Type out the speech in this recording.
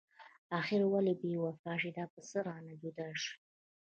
اخر ولې بې وفا شوي؟ دا په څه رانه جدا شوي؟